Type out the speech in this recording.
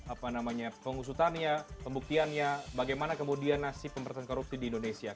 apa namanya pengusutannya pembuktiannya bagaimana kemudian nasib pemberantasan korupsi di indonesia